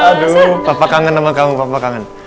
aduh papa kangen sama kamu papa kangen